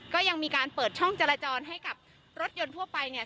ก็ยังมีการเปิดช่องจราจรให้กับรถยนต์ทั่วไปเนี่ย